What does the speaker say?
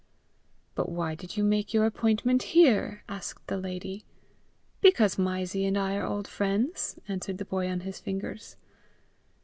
"But why did you make your appointment here?" asked the lady. "Because Mysie and I are old friends," answered the boy on his fingers.